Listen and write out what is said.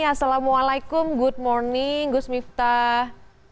assalamualaikum good morning gus miftah